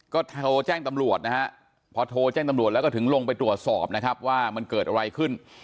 ก็โทรแจ้งตำรวจนะฮะพอโทรแจ้งตำรวจแล้วก็ถึงลงไปตรวจสอบนะครับว่ามันเกิดอะไรขึ้น